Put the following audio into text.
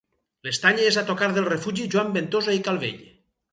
L'estany és a tocar del refugi Joan Ventosa i Calvell.